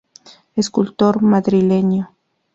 Escultor madrileño.